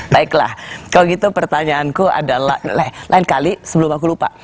baiklah kalau gitu pertanyaanku adalah lain kali sebelum aku lupa